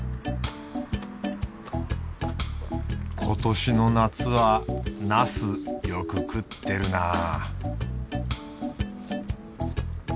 今年の夏はなすよく食ってるな